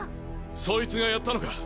そいつがやったのか。